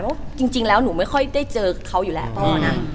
ว่าจริงแล้วหนูไม่ค่อยได้เจอเขาอยู่แล้วพ่อนะ